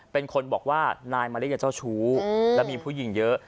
เป็นคนบอกว่านายมาริยาเจ้าชู้และมีผู้หญิงเยอะ